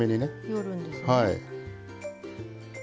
盛るんですね。